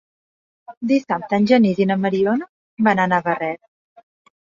Dissabte en Genís i na Mariona van a Navarrés.